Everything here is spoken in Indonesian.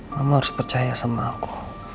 kamu harus percaya sama aku